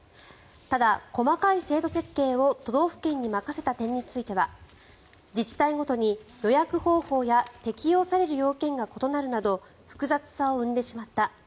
ただ、細かい制度設計を都道府県に任せた点については自治体ごとに予約方法や適用される要件が異なるなど複雑さを生んでしまった。